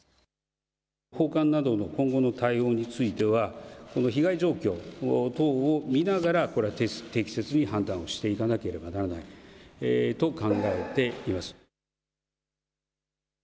訪韓などの今後の対応については被害状況等を見ながらこれ適切に判断していかなければならないと考えています。